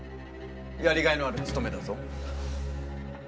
やりがいのある勤めだぞ。